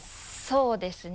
そうですね